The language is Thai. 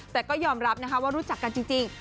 แต่ก็ยอมรับนะคะว่ารู้จักกันจริง